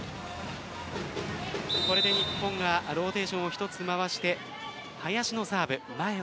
これで日本がローテーションを一つ回して林のサーブ。